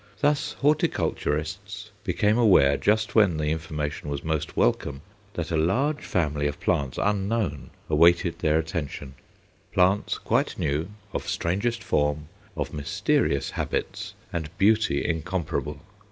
Thus horticulturists became aware, just when the information was most welcome, that a large family of plants unknown awaited their attention; plants quite new, of strangest form, of mysterious habits, and beauty incomparable.